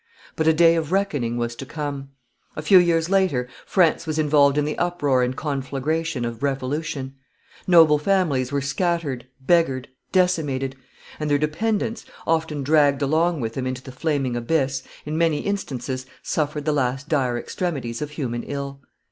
But a day of reckoning was to come. A few years later France was involved in the uproar and conflagration of revolution. Noble families were scattered, beggared, decimated; and their dependants, often dragged along with them into the flaming abyss, in many instances suffered the last dire extremities of human ill.